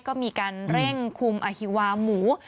ก็มีการเร่งคุมอฮิวาหมู